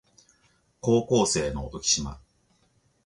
高校生の浮島